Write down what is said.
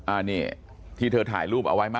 อ่าเนี่ยที่เธอถ่ายรูปเอาไว้ไหม